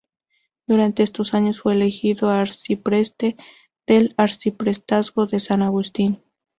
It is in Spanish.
Durante estos años fue elegido arcipreste del Arciprestazgo de San Agustín.